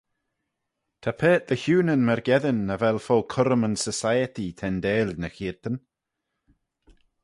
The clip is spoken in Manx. Ta paart dy h-Ewnyn myrgeddyn nagh vel fo currym yn Society tendeil ny cheayrtyn.